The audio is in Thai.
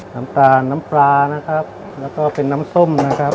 น้ำตาลน้ำปลานะครับแล้วก็เป็นน้ำส้มนะครับ